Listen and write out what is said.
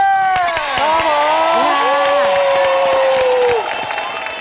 ครับผม